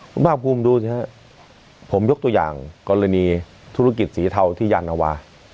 คุณพระคุมดูนะครับผมยกตัวอย่างกรณีธุรกิจสีเทาที่ยานวา